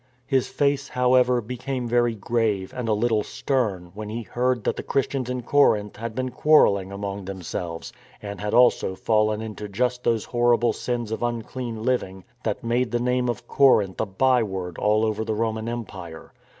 His face, however, became very grave and a little stern when he heard that the Christians in Corinth had been quarrelling among themselves, and had also fallen into just those horrible sins of unclean living that THE DEFIANCE OF ARTEMIS 255 made the name of Corinth a byword all over the Ro man Empire.